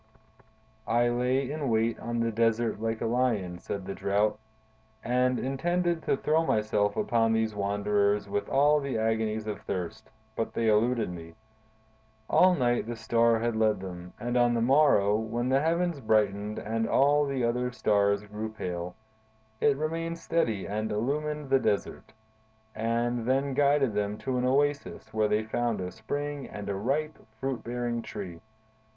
"I lay in wait on the desert like a lion," said the Drought, "and intended to throw myself upon these wanderers with all the agonies of thirst, but they eluded me. All night the Star had led them, and on the morrow, when the heavens brightened and all the other stars grew pale, it remained steady and illumined the desert, and then guided them to an oasis where they found a spring and a ripe, fruit bearing tree.